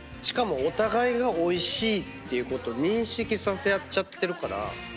しかもお互いがおいしいっていうこと認識させ合っちゃってるから。